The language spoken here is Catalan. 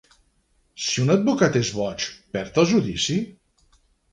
Si un advocat és boig, perd el judici?